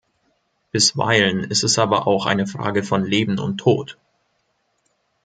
Bisweilen ist es aber auch eine Frage von Leben und Tod.